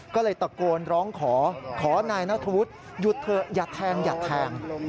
ก็เลยตะโกนร้องขอขอนายนัทธวุฒิหยุดเถอะอย่าแทงอย่าแทง